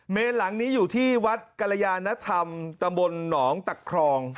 หลังนี้อยู่ที่วัดกรยานธรรมตำบลหนองตะครอง